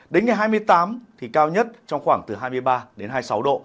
đến ngày hai mươi tám thì cao nhất trong khoảng từ hai mươi ba đến hai mươi sáu độ